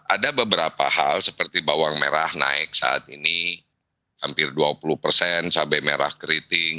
ada beberapa hal seperti bawang merah naik saat ini hampir dua puluh persen cabai merah keriting